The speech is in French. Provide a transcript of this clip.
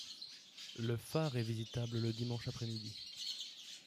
Le phare est visitable le dimanche après-midi.